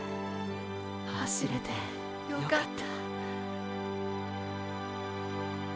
走れてよかった。